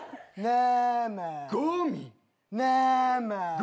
生。